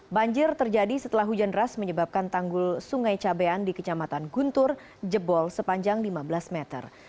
banjir terjadi setelah hujan deras menyebabkan tanggul sungai cabean di kecamatan guntur jebol sepanjang lima belas meter